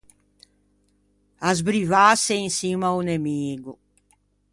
Asbrivâse in çimma a-o nemigo.